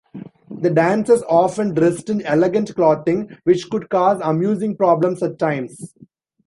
The dancers often dressed in elegant clothing, which could cause amusing problems at times.